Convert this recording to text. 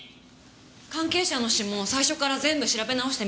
関係者の指紋を最初から全部調べ直してみたんです。